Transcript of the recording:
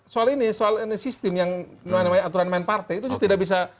soal ini soal ini sistem yang namanya aturan main partai itu tidak bisa